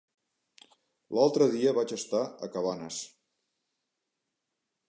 L'altre dia vaig estar a Cabanes.